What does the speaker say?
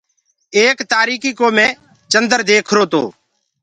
ايڪ تآريڪي ڪوُ مي چندر ديکرو تو۔